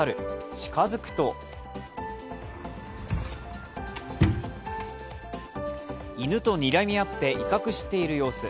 近づくと犬とにらみ合って威嚇している様子。